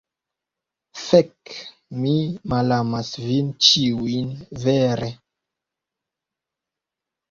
Fek, mi malamas vin ĉiujn! Vere!